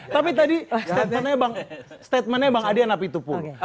tapi tadi statement nya bang adhian apitupul